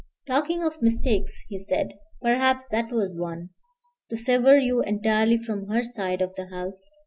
"Talking of mistakes," he said, "perhaps that was one: to sever you entirely from her side of the house.